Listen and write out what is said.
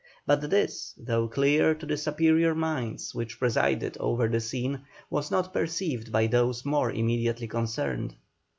But this, though clear to the superior minds which presided over the scene, was not perceived by those more immediately concerned.